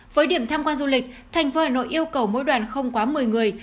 với điểm tham quan du lịch thành phố hà nội yêu cầu mỗi đoàn không quá một mươi người